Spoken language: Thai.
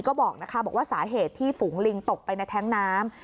ก็บอกนะคะบอกว่าสาเหตุที่ฝูงลิงตกไปในแท้งน้ำ